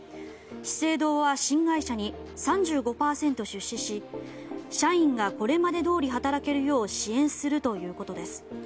資生堂は新会社に３５％出資し社員がこれまでどおり働けるよう支援するということです。